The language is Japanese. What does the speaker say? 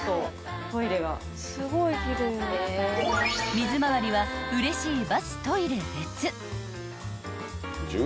［水回りはうれしいバス・トイレ別］